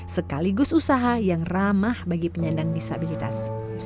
sekaligus usaha yang ramah bagi penyandang disabilitas